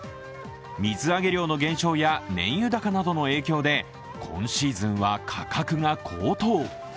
水揚げ量の減少や燃油高などの影響で今シーズンは価格が高騰。